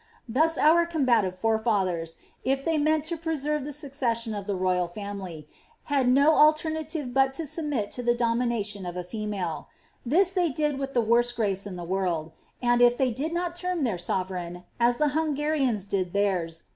Thus our combative forefathers, if they meant to preserve the succession in the royal family, had no alternative but to submit to the* domination of a female : this they did with the worst grace in the world ^ mod if they did not term their sovereign, aa the Hungarians did theirs.